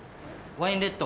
ワインレッド？